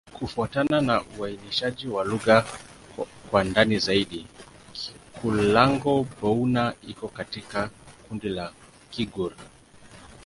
Kufuatana na uainishaji wa lugha kwa ndani zaidi, Kikulango-Bouna iko katika kundi la Kigur.